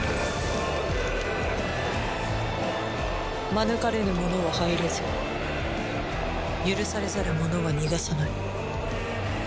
招かれぬ者は入れず許されざる者は逃がさない。